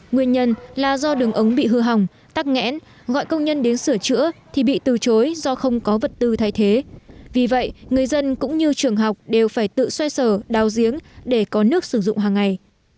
nguyên nhân là do đường ống bị hư hỏng tắc nghẽn gọi công nhân đến sửa chữa thì bị từ chối do không có vật tư thay thế vì vậy người dân cũng như trường học đều phải tự xoay sở đào giếng để có nước sử dụng hàng ngày